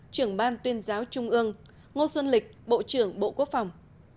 trưởng ban tuyên giáo trung ương ngô xuân lịch bộ trưởng bộ quốc phòng